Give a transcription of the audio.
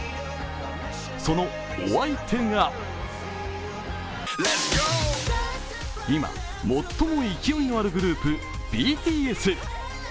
そのお相手が、今最も勢いのあるグループＢＴＳ。